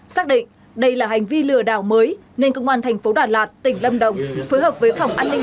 xác định đây là hành vi lừa đảo mới nên công an thành phố đà lạt tỉnh lâm đồng phối hợp với phòng an ninh